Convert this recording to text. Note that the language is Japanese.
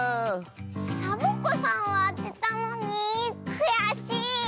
サボ子さんはあてたのにくやしい。